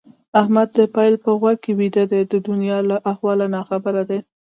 احمد د پيل په غوږ کې ويده دی؛ د دونيا له احواله ناخبره دي.